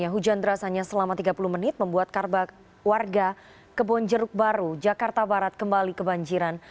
hujan deras hanya selama tiga puluh menit membuat karbak warga kebonjeruk baru jakarta barat kembali kebanjiran